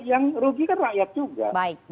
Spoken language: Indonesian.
yang rugi kan rakyat juga